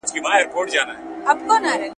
چې ورور دې وواژه، په سترګو کې دې څه ولوستل؟